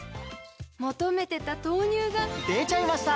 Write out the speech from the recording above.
求めてた豆乳がでちゃいました！